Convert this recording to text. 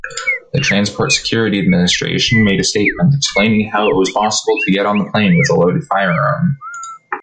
The Transport Security Administration made a statement, explaining how it was possible to get on the plane with a loaded firearm.